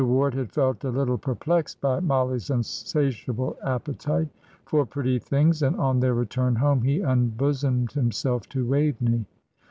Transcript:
Ward had felt a little perplexed by Mollie's unsatiable appetite for pretty things, and on their return home he unbosomed himself to Waveney.